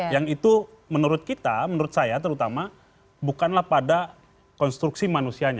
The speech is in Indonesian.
yang itu menurut kita menurut saya terutama bukanlah pada konstruksi manusianya